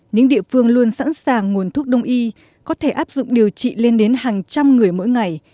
những địa phương luôn sẵn sàng nguồn thuốc đông y có thể áp dụng điều trị lên đến hàng trăm người mỗi ngày